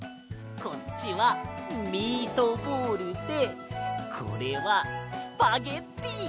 こっちはミートボールでこれはスパゲッティ！